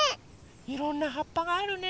いろんなはっぱがあるね。